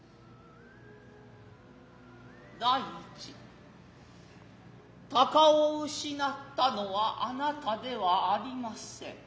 第一鷹を失つたのは貴方ではありません。